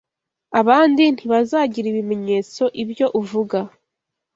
abandi ntibazagira ibimenyetso ibyo uvuga